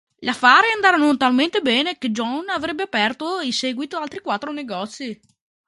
Gli affari andarono talmente bene che John avrebbe aperto in seguito altri quattro negozi.